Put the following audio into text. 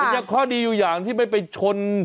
แล้วก็ค่อนดีอยู่อย่างที่ไม่ไปชน